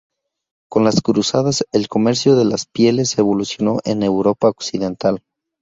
Con las Cruzadas, el comercio de las pieles evolucionó en Europa occidental.